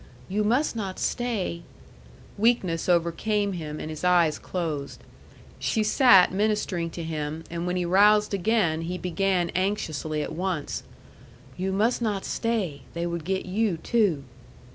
You must not stay " Weakness overcame him, and his eyes closed. She sat ministering to him, and when he roused again, he began anxiously at once: "You must not stay. They would get you, too."